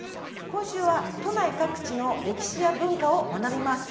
今週は都内各地の歴史や文化を学びます。